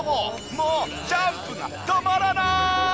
もうジャンプが止まらない！！